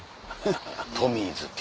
トミーズ・健。